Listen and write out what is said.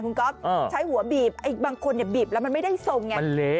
คุณก๊อฟใช้หัวบีบบางคนบีบแล้วมันไม่ได้ทรงไง